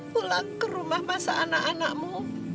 pulang ke rumah masa anak anakmu